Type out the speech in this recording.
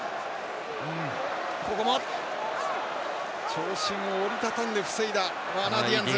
長身を折り畳んで防いだワーナー・ディアンズ。